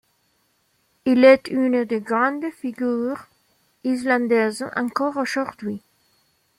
Il est une des grandes figures islandaises encore aujourd'hui.